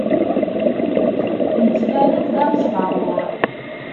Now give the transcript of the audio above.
Yettban-d d anesbaɣur.